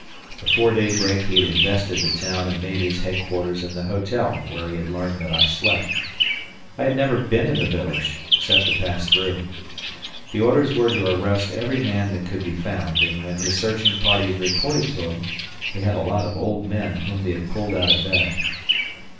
Be fore daybreak he had invested the town and made his headquarters in the hotel where he had learned that I slept. I had never been in the village except to pass through. The orders were to arrest every man that could be found, and when his searching parties reported to him, they had a lot of old men whom they had pulled out of bed.